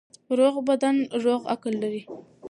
روغ بدن روغ عقل لري.